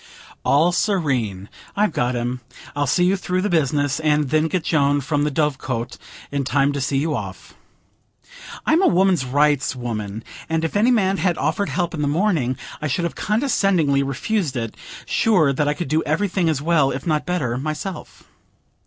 "All serene. I've got him. I'll see you through the business, and then get Joan from the Dove Cote in time to see you off." I'm a woman's rights woman, and if any man had offered help in the morning, I should have condescendingly refused it, sure that I could do everything as well, if not better, myself.